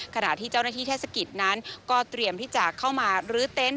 ขณะที่เจ้าหน้าที่เทศกิจนั้นก็เตรียมที่จะเข้ามารื้อเต็นต